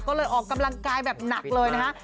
ก็เลยออกกำลังกายแบบหนักเลยนะฮะ